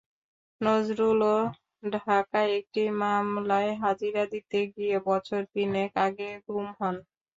নজরুলও ঢাকায় একটি মামলায় হাজিরা দিতে গিয়ে বছর তিনেক আগে গুম হন।